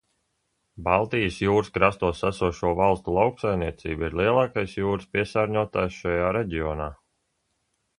Baltijas jūras krastos esošo valstu lauksaimniecība ir lielākais jūras piesārņotājs šajā reģionā.